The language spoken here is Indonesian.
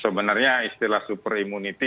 sebenarnya istilah super immunity